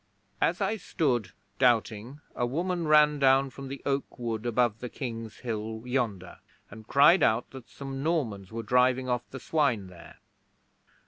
'As I stood doubting, a woman ran down from the oak wood above the King's Hill yonder, and cried out that some Normans were driving off the swine there.